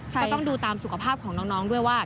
ก็ต้องดูตามสุขภาพของน้องด้วยว่า